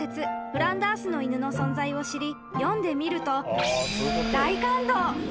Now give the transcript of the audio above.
『フランダースの犬』の存在を知り読んでみると］